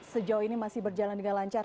sejauh ini masih berjalan dengan lancar